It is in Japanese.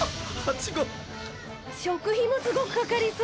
食費もすごくかかりそう！